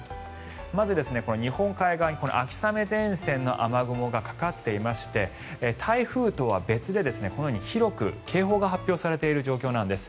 まず、日本海側に秋雨前線の雨雲がかかっていまして台風とは別でこのように広く警報が発表されている状況なんです。